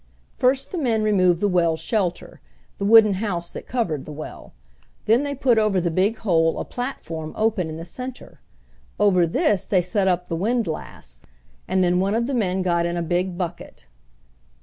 First the men removed the well shelter the wooden house that covered the well. Then they put over the big hole a platform open in the center. Over this they set up the windlass, and then one of the men got in a big bucket.